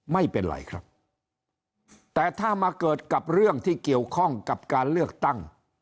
ไม่เป็นไรครับแต่ถ้ามาเกิดกับเรื่องที่เกี่ยวข้องกับการเลือกตั้ง